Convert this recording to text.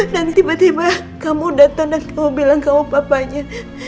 dan tiba tiba kamu dateng dan kamu bilang kamu papanya